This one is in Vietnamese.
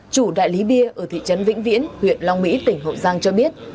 chủ đại lý bia ở thị trấn vĩnh viễn huyện long mỹ tỉnh hậu giang cho biết